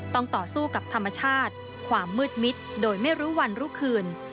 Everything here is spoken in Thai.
ต่อสู้กับธรรมชาติความมืดมิดโดยไม่รู้วันรู้คืน